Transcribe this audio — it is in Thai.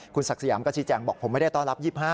คุณศักดิ์สยามก็ชี้แจงบอกผมไม่ได้ต้อนรับ๒๕